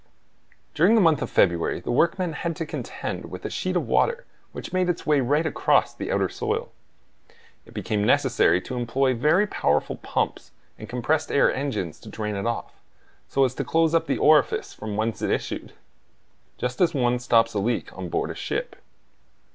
During the month of February the workmen had to contend with a sheet of water which made its way right across the outer soil. It became necessary to employ very powerful pumps and compressed air engines to drain it off, so as to close up the orifice from whence it issued; just as one stops a leak on board ship.